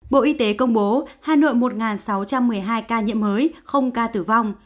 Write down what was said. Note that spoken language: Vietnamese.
bộ y tế công bố hà nội một sáu trăm một mươi hai ca nhiễm mới không ca tử vong